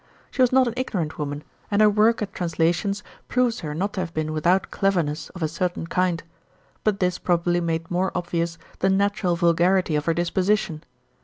She was not an ignorant woman, and her work at translations proves her not to have been without cleverness of a certain kind ; but this probably made more obvious the natural vulgarity of her disposition.